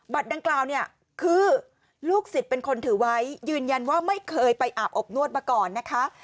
ดังกล่าวเนี่ยคือลูกศิษย์เป็นคนถือไว้ยืนยันว่าไม่เคยไปอาบอบนวดมาก่อนนะคะ